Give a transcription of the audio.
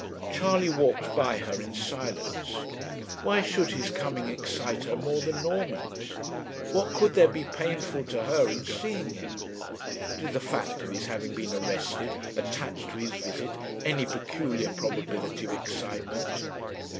Charley walked by her in silence. Why should his coming excite her more than Norman's? What could there be painful to her in seeing him? Did the fact of his having been arrested attach to his visit any peculiar probability of excitement?